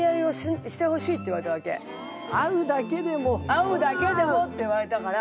会うだけでもって言われたから。